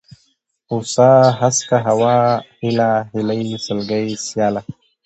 هوسا ، هسکه ، هوا ، هېله ، هيلۍ ، سلگۍ ، سياله